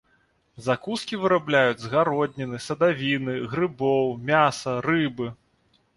Закускі вырабляюць з гародніны, садавіны, грыбоў, мяса, рыбы.